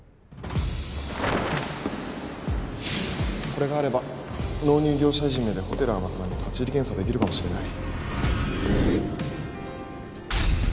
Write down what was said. これがあれば納入業者いじめでホテル天沢に立入検査できるかもしれない